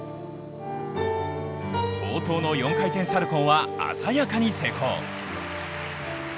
冒頭の４回転サルコウは鮮やかに成功。